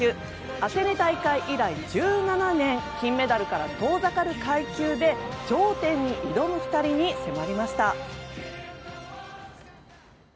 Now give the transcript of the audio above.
アテネ大会以来１７年金メダルから遠ざかる階級で頂点に挑む２人に迫りました。